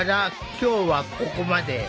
今日はここまで。